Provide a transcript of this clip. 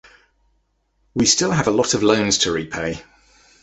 We still have a lot of loans to repay